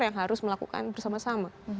yang harus melakukan bersama sama